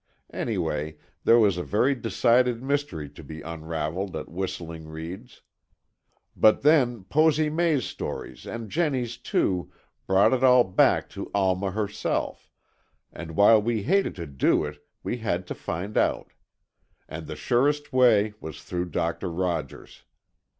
Anyway, there was a very decided mystery to be unravelled at Whistling Reeds. But then, Posy May's stories and Jennie's, too, brought it all back to Alma herself, and while we hated to do it we had to find out. And the surest way was through Doctor Rogers.